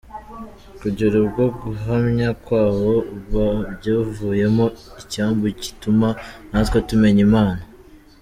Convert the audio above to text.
, kugera ubwo guhamya kwabo byavuyemo icyambu gituma natwe tumenya Imana,.